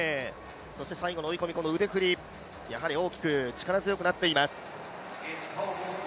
最後の追い込み、腕振り、やはり大きく力強くなっています。